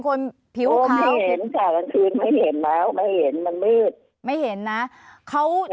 เป็นคนผิวขาวไม่เห็นไม่เห็นแล้วไม่เห็นมันมืดไม่เห็นนะเขา